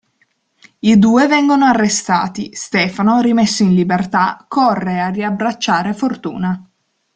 I due vengono arrestati: Stefano, rimesso in libertà, corre a riabbracciare Fortuna.